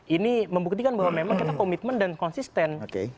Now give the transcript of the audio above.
ini membuktikan bahwa memang kita komitmen dan konsisten